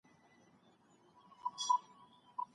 تخیل انسان ته نوي لید لوري ورکوي.